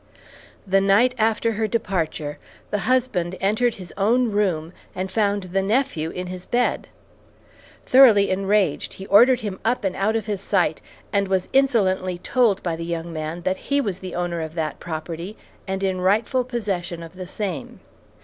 The night after her departure, the husband entered his own room and found the nephew in his bed. Thoroughly enraged, he ordered him up and out of his sight, and was insolently told by the young man that he was owner of that property and in rightful possession of the same.